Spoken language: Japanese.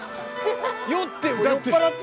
酔って歌って。